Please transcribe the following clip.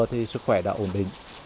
thì sức khỏe đã ổn định